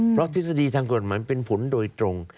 เพราะทฤษฎีทางกฎหมายเป็นผลโดยตรง